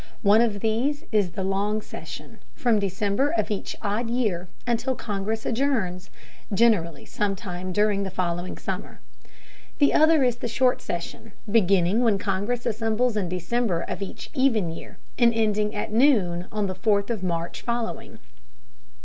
One of these is the long session, from December of each odd year until Congress adjourns, generally sometime during the following summer. The other is the short session, beginning when Congress assembles in December of each even year, and ending at noon on the 4th of March following.